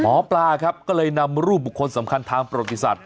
หมอปลาครับก็เลยนำรูปบุคคลสำคัญทางประวัติศาสต